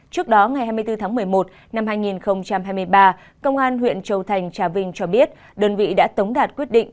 trước đó ngày hai mươi bốn tháng một mươi một năm hai nghìn hai mươi ba công an huyện châu thành trà vinh cho biết đơn vị đã tống đạt quyết định